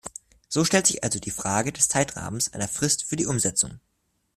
So stellt sich also die Frage des Zeitrahmens, einer Frist für die Umsetzung.